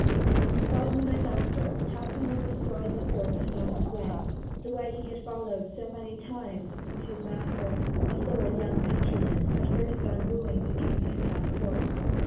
Five minutes after, Tupcombe was astride the horse and on his way the way he had followed so many times since his master, a florid young countryman, had first gone wooing to King's Hintock Court.